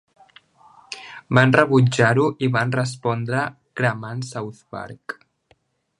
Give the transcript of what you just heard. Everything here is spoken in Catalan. Van rebutjar-ho i van respondre cremant Southwark.